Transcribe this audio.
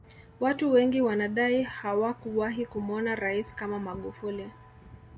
Watu wengi wanadai hawakuwahi kumuona rais kama magufuli